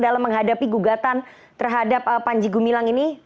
dalam menghadapi gugatan terhadap panji gumilang ini